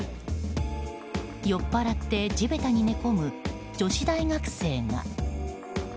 酔っ払って地べたに寝込む女子大学生が。